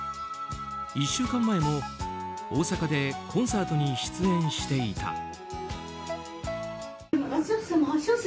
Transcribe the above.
１週間前も大阪でコンサートに出演していた。